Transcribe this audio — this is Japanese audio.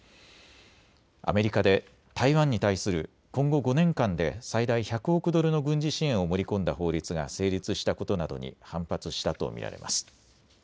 アメリカで台湾に対する今後５年間で最大１００億ドルの軍事支援を盛り込んだ法律が成立したことなどに反発したと見られます。